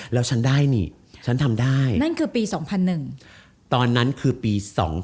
แล้วฉันได้นี่ฉันทำได้นั่นคือปี๒๐๐๑ตอนนั้นคือปี๒๕๖